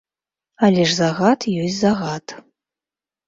Але ж загад ёсць загад.